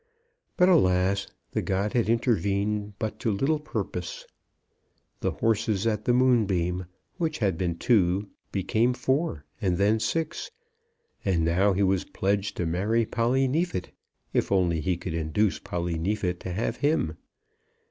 But, alas, the god had intervened but to little purpose. The horses at the Moonbeam, which had been two, became four, and then six; and now he was pledged to marry Polly Neefit, if only he could induce Polly Neefit to have him.